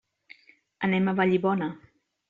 Anem a Vallibona.